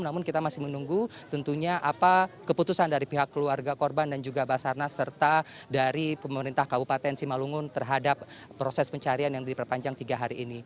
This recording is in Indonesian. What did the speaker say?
namun kita masih menunggu tentunya apa keputusan dari pihak keluarga korban dan juga basarnas serta dari pemerintah kabupaten simalungun terhadap proses pencarian yang diperpanjang tiga hari ini